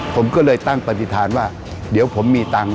ผมก็เลยตั้งปฏิฐานว่าเดี๋ยวผมมีตังค์